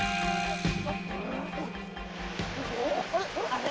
あれ？